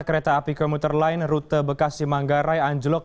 kereta api komuter lain rute bekasi manggarai anjlok